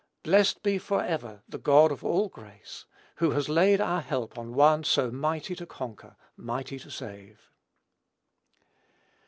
Blessed forever be the God of all grace, who has laid our help on One so mighty to conquer, mighty to save!